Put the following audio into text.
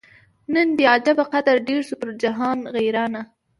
نن دي عجبه قدر ډېر سو پر جهان غیرانه